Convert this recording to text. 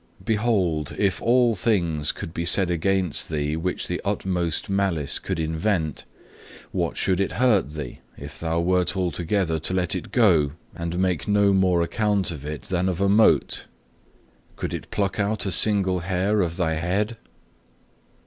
Behold, if all things could be said against thee which the utmost malice could invent, what should it hurt thee if thou wert altogether to let it go, and make no more account of it than of a mote? Could it pluck out a single hair of thy head?